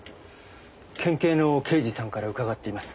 県警の刑事さんから伺っています。